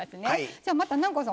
じゃまた南光さん